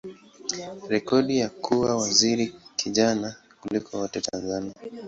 rekodi ya kuwa waziri kijana kuliko wote Tanzania.